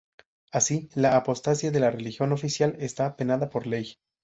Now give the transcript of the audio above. Así, la apostasía de la religión oficial está penada por ley.